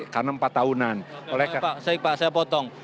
tapi yang kemudian saya potong